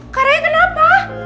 kakak raya kenapa